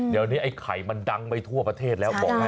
เดี๋ยวนี้ไอ้ไข่มันดังไปทั่วประเทศแล้วบอกแล้ว